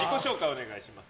お願いします。